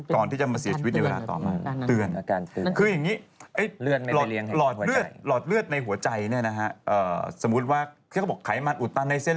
ก่อนที่จะมาเสียชีวิตในเวลาต่อมาอาการตื่น